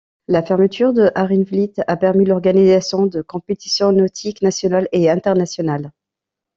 La fermeture du Haringvliet a permis l'organisation de compétitions nautiques nationales et internationales.